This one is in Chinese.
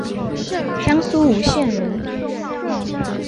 江苏吴县人。